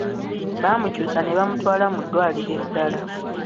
Baamukyusa ne bamutwala mu ddwaliro eddala.